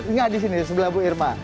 enggak di sini sebelah bu irma